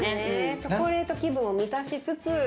チョコレート気分を満たしつつ健康的に。